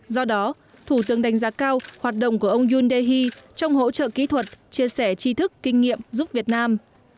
do đó thủ tướng đánh giá cao hoạt động của ông yoon dae trong hỗ trợ kỹ thuật chia sẻ chi thức kinh nghiệm giúp việt nam